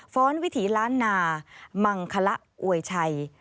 ้อนวิถีล้านนามังคละอวยชัย